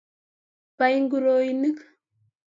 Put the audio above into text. bai nguruonik